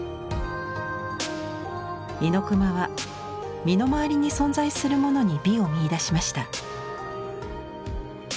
猪熊は身の回りに存在するものに美を見いだしました。